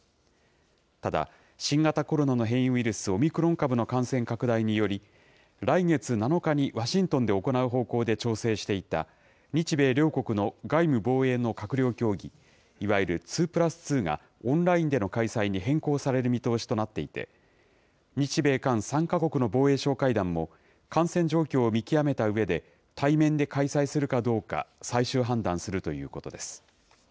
ただ、新型コロナの変異ウイルス、オミクロン株の感染拡大により、来月７日にワシントンで行う方向で調整していた日米両国の外務・防衛の閣僚協議、いわゆる２プラス２がオンラインでの開催に変更される見通しとなっていて、日米韓３か国の防衛相会談も感染状況を見極めたうえで、対面で開催するかどうか最終判断するというこということです。